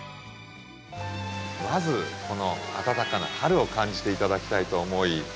まずこの暖かな春を感じて頂きたいと思い。